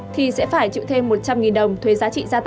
thì sẽ phải chịu thêm một trăm linh đồng